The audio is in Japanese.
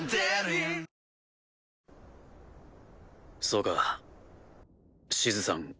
⁉・そうか・シズさん